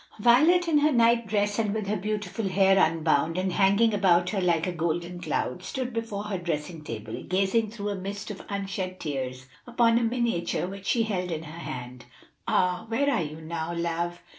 Violet in her night dress and with her beautiful hair unbound and hanging about her like a golden cloud, stood before her dressing table, gazing through a mist of unshed tears upon a miniature which she held in her hand. "Ah, where are you now, love?"